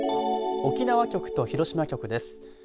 沖縄局と広島局です。